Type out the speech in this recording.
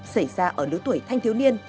xảy ra ở lứa tuổi thanh thiếu niên